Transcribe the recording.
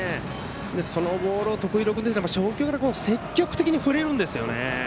そのボールを徳弘君ですから積極的に振れるんですよね。